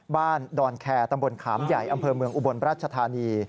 บ้านดอนแคร์ตำบลขามใหญ่อำเภออุบลประชฎานี